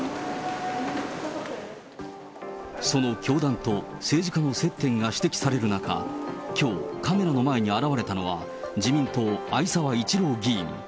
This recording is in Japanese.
その教団と政治家の接点が指摘される中、きょう、カメラの前に現れたのは自民党、逢沢一郎議員。